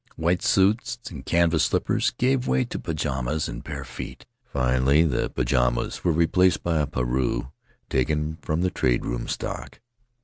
White suits and canvas slippers gave way to pajamas and bare feet; finally the pajamas were replaced by a pareu, taken from the trade room stock.